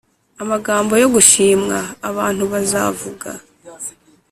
amagambo yo gushimwa abantu bazavuga